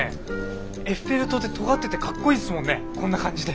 エッフェル塔ってとがっててかっこいいっすもんねこんな感じで。